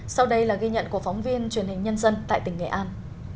sau đây là ghi nhận của phóng viên truyền hình nhân dân tại tỉnh nghệ an